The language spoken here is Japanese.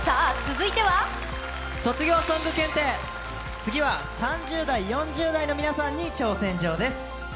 次は３０代、４０代の皆さんに挑戦状です。